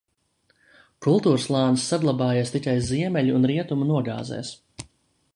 Kultūrslānis saglabājies tikai ziemeļu un rietumu nogāzēs.